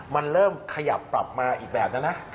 มันเริ่มขยับปรับมาอีกแบบแล้วนะ